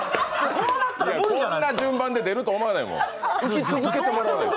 こんな順番で出ると思わないもん。